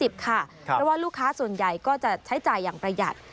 เพราะว่าลูกค้าส่วนใหญ่ก็จะใช้จ่ายอย่างประหยัด